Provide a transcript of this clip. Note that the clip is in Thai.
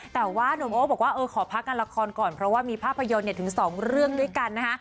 แต่ว่านุ่มโอ้บอกว่าเออขอพักงานละครก่อนเพราะว่ามีภาพยนตร์ถึง๒เรื่องด้วยกันนะคะ